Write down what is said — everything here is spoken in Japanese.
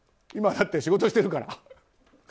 今、だって仕事してるから。